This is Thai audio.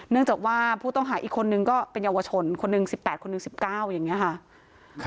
เนื่องจากว่าผู้ต้องหาอีกคนนึงก็เป็นเยาวชนคนหนึ่ง๑๘คนหนึ่ง๑๙อย่างนี้ค่ะ